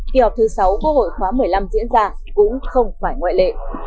khi họp thứ sáu của hội khóa một mươi năm diễn ra cũng không phải ngoại lệ